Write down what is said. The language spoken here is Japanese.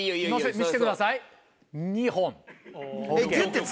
見せてください。